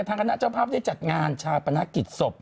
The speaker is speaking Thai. ทางคณะเจ้าภาพได้จัดงานชาติประนักกิจศพ